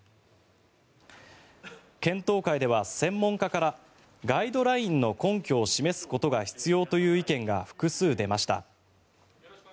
検討会では専門家からガイドラインの根拠を示すことが必要という意見が複数出ました。